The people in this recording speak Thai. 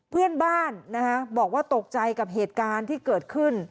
เพื่อนบ้านบอกว่าตกใจกับเหตุการณ์ที่เกิดขึ้น